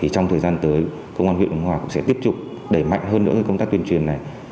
trong thời gian tới công an huyện ứng hòa cũng sẽ tiếp tục đẩy mạnh hơn nữa công tác tuyên truyền này